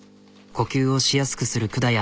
呼吸をしやすくする管や。